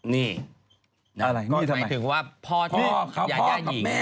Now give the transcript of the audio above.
นี่ยายาหญิง